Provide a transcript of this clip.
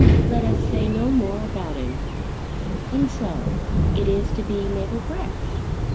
Let us say no more about him. And so it is to be Mabel Grex?"